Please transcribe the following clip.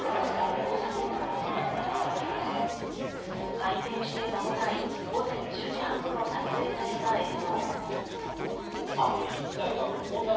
開店して間もない午前１０時半頃撮影された映像。